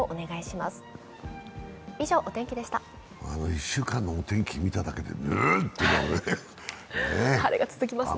１週間のお天気見ただけで、ううっとなりますね。